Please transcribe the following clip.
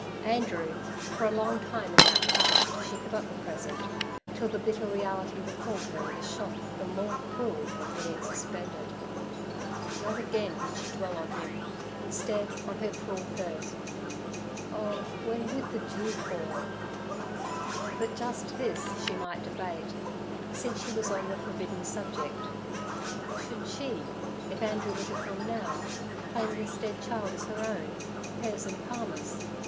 Andrew—for a long time in that past she forgot the present, till the bitter reality recalled her with a shock the more cruel from being suspended. Not again would she dwell on him; instead, on her cruel thirst—oh, when would the dew fall? But just this she might debate, since she was on the forbidden subject—should she, if Andrew were to come now, claim this dead child as her own—hers and Palmer's?